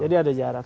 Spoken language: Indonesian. jadi ada jarak